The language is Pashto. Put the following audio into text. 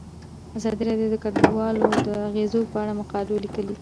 ازادي راډیو د کډوال د اغیزو په اړه مقالو لیکلي.